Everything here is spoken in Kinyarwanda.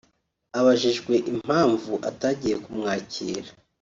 Abajijwe impamvu atagiye kumwakira